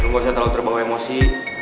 lo gak usah terlalu terbawa emosi